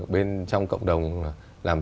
bên trong cộng đồng làm